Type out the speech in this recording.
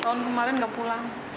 tahun kemarin gak pulang